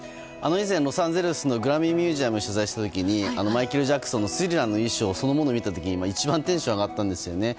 以前、ロサンゼルスでグラミー・ミュージアムを取材した時にマイケル・ジャクソンさんの「スリラー」の衣装を見た時一番テンションが上がったんですよね。